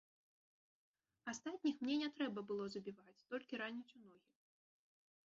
Астатніх мне не трэба было забіваць, толькі раніць ў ногі.